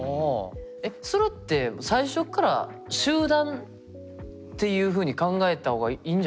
えっそれってっていうふうに考えた方がいいんじゃないですか？